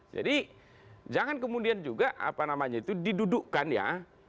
jadi jangan kemudian juga didudukkan ya